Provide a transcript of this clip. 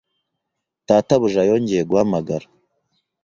Databuja yongeye guhamagara